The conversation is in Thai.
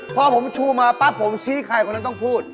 พบชูมาปับผมชี้ไข่คนแล้วต้องพูด